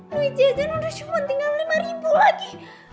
nui jejan udah cuma tinggal lima ribu lagi